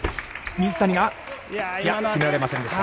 水谷が決められませんでした。